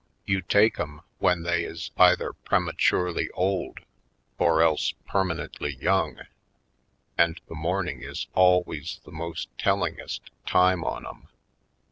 You take 'em 110 /. Poindexter^ Colored when they is either prematurely old or else permanently young and the morning is al ways the most tellingest time on 'em.